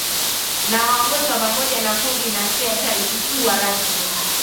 na wagonjwa pamoja na kundi na sekta isikuwa rasmi